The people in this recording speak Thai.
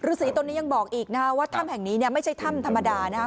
ฤษีตัวนี้ยังบอกอีกนะว่าถ้ำแห่งนี้เนี่ยไม่ใช่ถ้ำธรรมดานะครับ